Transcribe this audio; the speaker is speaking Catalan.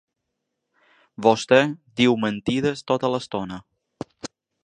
Vostè diu mentides tota l’estona.